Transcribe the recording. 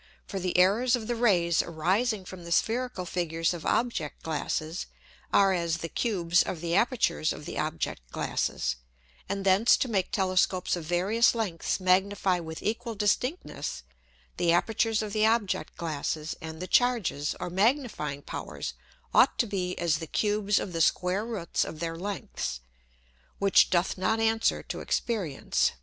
For the Errors of the Rays arising from the spherical Figures of Object glasses, are as the Cubes of the Apertures of the Object Glasses; and thence to make Telescopes of various Lengths magnify with equal distinctness, the Apertures of the Object glasses, and the Charges or magnifying Powers ought to be as the Cubes of the square Roots of their lengths; which doth not answer to Experience.